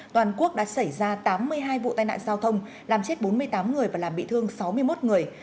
toàn quốc đã xảy ra tám mươi hai vụ tai nạn giao thông làm chết bốn mươi tám người và làm bị thương sáu mươi một người